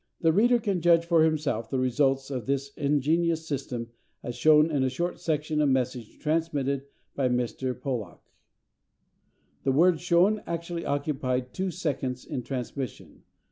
The reader can judge for himself the results of this ingenious system as shown in a short section of a message transmitted by Mr. Pollak. The words shown actually occupied two seconds in transmission.